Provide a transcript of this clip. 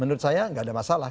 tapi kalau saya tidak ada masalah